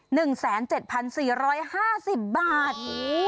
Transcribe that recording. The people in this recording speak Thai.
หนึ่งแสนเจ็ดพันสี่ร้อยห้าสิบบาทอืม